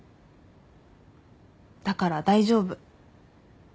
だから大丈夫。